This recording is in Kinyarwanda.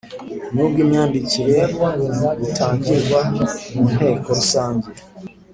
n ubw imyandikire butangirwa mu Nteko Rusange